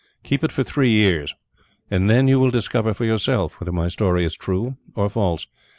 Keep it for three years, and then you will discover for yourself whether my story is true or false.